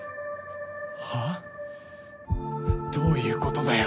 は？どういうことだよ